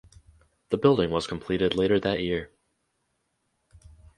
The building was completed later that year.